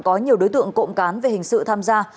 có nhiều đối tượng cộng cán về hình sự tham gia